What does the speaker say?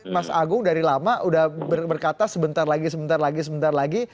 mas agung dari lama udah berkata sebentar lagi sebentar lagi sebentar lagi